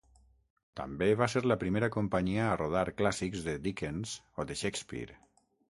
També va ser la primera companyia a rodar clàssics de Dickens o de Shakespeare.